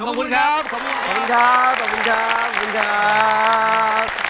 ขอบคุณครับ